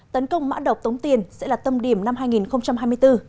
tấn công mã độc tống tiền sẽ là tâm điểm năm hai nghìn hai mươi bốn